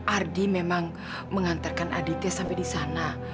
ardi memang mengantarkan aditya sampai di sana